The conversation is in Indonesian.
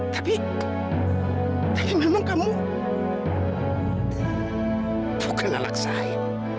tapi memang kamu bukan anak saya